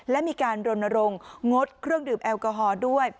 และมีการรณรงค์งดเครื่องดื่มแอลกอฮอล์ด้วย